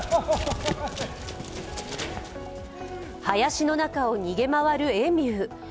林の中を逃げ回るエミュー。